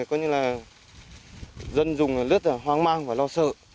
có như là dân dùng rất là hoang mang và lo sợ